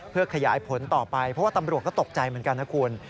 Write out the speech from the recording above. เพื่อขยายผลต่อไปเพราะว่าตำรวจก็ตกใจเหมือนกันนะคุณ